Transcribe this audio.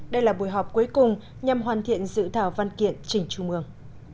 đây là buổi họp cuối cùng nhằm hoàn thiện dự thảo văn kiện trình trung ương